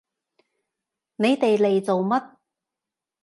你哋嚟做乜？